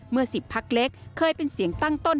เมื่อ๑๐พักเล็กเคยเป็นเสียงตั้งต้น